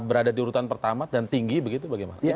berada diurutan pertama dan tinggi begitu bagaimana